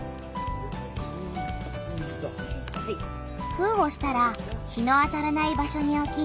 封をしたら日の当たらない場所におき